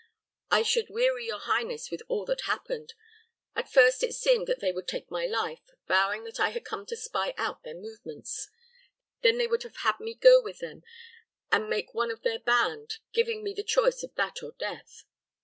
I should weary your highness with all that happened. At first it seemed that they would take my life, vowing that I had come to spy out their movements; then they would have had me go with them and make one of their band, giving me the choice of that or death.